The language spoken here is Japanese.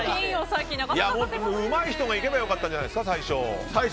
最初うまい人が行けば良かったんじゃないですか？